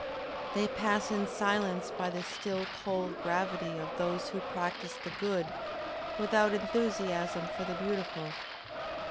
They pass in silence by the still cold gravity of those who practice the good, without enthusiasm for the beautiful.